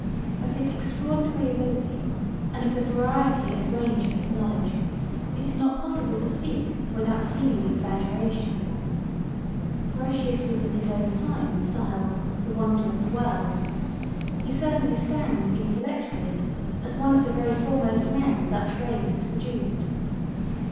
Of his extraordinary ability, and of the variety and range of his knowledge, it is not possible to speak without seeming exaggeration. Grotius was in his own time styled "the wonder of the world"; he certainly stands intellectually as one of the very foremost men the Dutch race has produced.